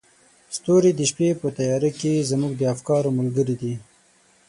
ستوري د شپې په تیاره کې زموږ د افکارو ملګري دي.